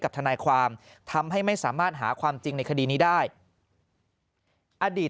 ทนายความทำให้ไม่สามารถหาความจริงในคดีนี้ได้อดีต